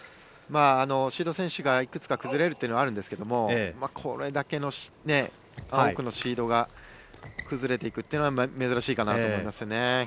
シード選手がいくつか崩れるというのはあるんですがこれだけ多くのシードが崩れていくというのは珍しいかなと思いますね。